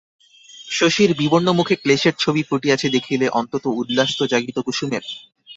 শশীর বিবর্ণমুখে ক্লেশের ছবি ফুটিয়াছে দেখিলে অন্তত উল্লাস তো জাগিত কুসুমের।